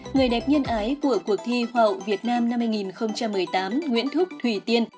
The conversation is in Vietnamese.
người đẹp nhân ái của cuộc thi hoa hậu việt nam năm hai nghìn một mươi tám nguyễn thúc thủy tiên